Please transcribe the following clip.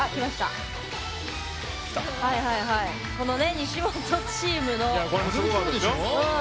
西本チームの。